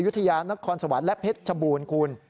ยุธยานครสวรรค์และเพชรชบูรณ์คุณ